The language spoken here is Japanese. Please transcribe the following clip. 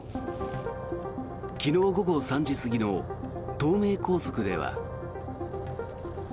昨日午後３時過ぎの東名高速では。